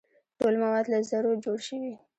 ټول مواد له ذرو جوړ شوي.